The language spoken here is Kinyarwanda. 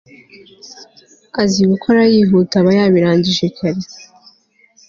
azi gukora yihuta aba yabirangije kare